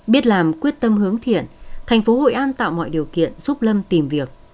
biết làm quyết tâm hướng thiện thành phố hội an tạo mọi điều kiện giúp lâm tìm việc